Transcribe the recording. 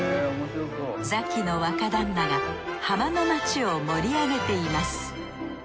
ザキの若旦那がハマの街を盛り上げています。